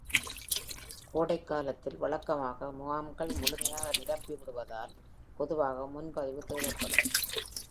கோடைக்காலத்தில் வழக்கமாக முகாம்கள் முழுமையாக நிரம்பிவிடுவதால் பொதுவாக முன்பதிவு தேவைப்படும்.